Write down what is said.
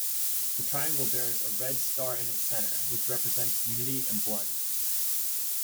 The triangle bears a red star in its centre, which represents unity and blood.